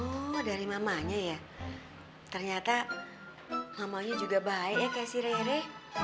oh dari mamanya ya ternyata mamanya juga baik ya sih rere